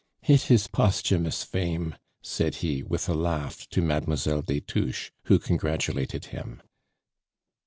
"It is posthumous fame," said he, with a laugh, to Mademoiselle des Touches, who congratulated him.